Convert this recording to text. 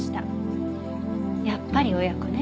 やっぱり親子ね。